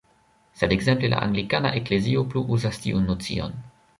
Sed ekzemple la anglikana eklezio plu uzas tiun nocion.